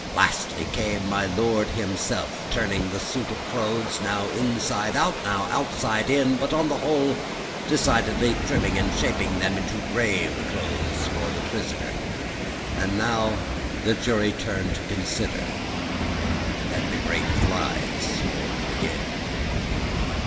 Lastly, came my Lord himself, turning the suit of clothes, now inside out, now outside in, but on the whole decidedly trimming and shaping them into grave clothes for the prisoner. And now, the jury turned to consider, and the great flies swarmed again.